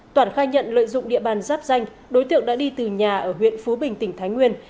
toản khai nhận lợi dụng địa bàn giáp danh đối tượng đã đi từ nhà ở huyện phú bình tỉnh thái nguyên